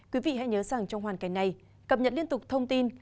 quý vị hãy nhớ rằng trong hoàn cảnh này cập nhật liên tục thông tin